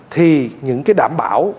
thì những cái đảm bảo